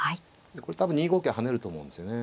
これ多分２五桂跳ねると思うんですよね。